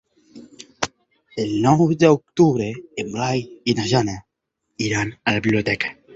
El nou d'octubre en Blai i na Jana iran a la biblioteca.